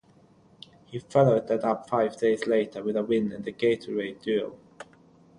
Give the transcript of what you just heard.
He followed that up five days later with a win in the Gatorade Duel.